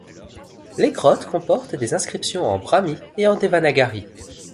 Les grottes comportent des inscriptions en brahmi et en devanagari.